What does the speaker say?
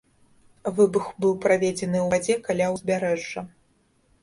Выбух быў праведзены ў вадзе каля ўзбярэжжа.